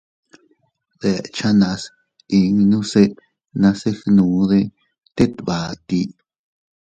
Dechanas innuse nase gnude tet bati.